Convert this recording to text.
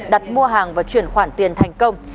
đặt mua hàng và chuyển khoản tiền thành công